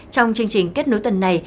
trong chương trình kết nối tuần này